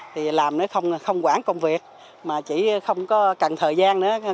thì làm nó không quản công việc mà chỉ không có cần thời gian nữa